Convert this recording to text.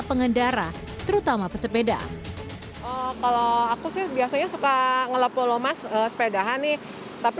pengendara terutama pesepeda kalau aku sih biasanya suka ngelapulomas sepeda hani tapi